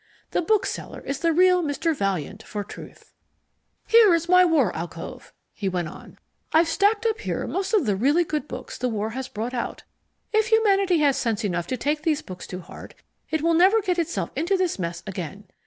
The bookseller is the real Mr. Valiant For Truth. "Here's my War alcove," he went on. "I've stacked up here most of the really good books the War has brought out. If humanity has sense enough to take these books to heart, it will never get itself into this mess again.